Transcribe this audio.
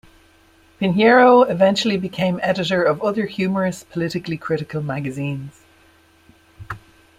Pinheiro eventually became editor of other humorous, politically critical magazines.